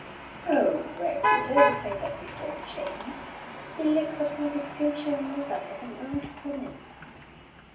"Oh, Reggie, don't say that before James. He looks upon his future mother as an old woman."